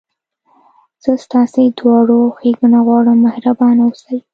زه ستاسي دواړو ښېګڼه غواړم، مهربانه اوسئ.